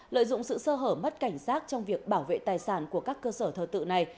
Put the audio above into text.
lợi dụng sự sơ hở mất cảnh giác trong việc bảo vệ tài sản của các cơ sở thờ tự này